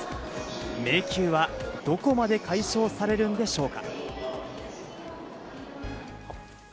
迷宮はどこまで解消されるんでしょうか。